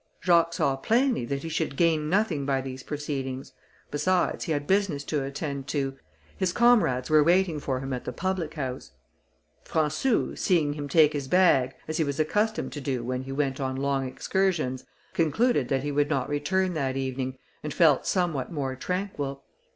Jacques saw plainly that he should gain nothing by these proceedings; besides, he had business to attend to; his comrades were waiting for him at the public house. Françou, seeing him take his bag, as he was accustomed to do when he went on long excursions, concluded that he would not return that evening, and felt somewhat more tranquil.